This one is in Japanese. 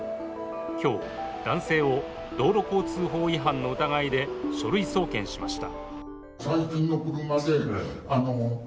今日、男性を道路交通法違反の疑いで書類送検しました。